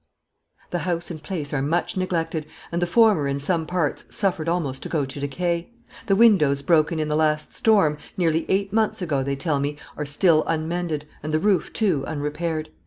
"The house and place are much neglected, and the former in some parts suffered almost to go to decay. The windows broken in the last storm, nearly eight months ago, they tell me, are still unmended, and the roof, too, unrepaired.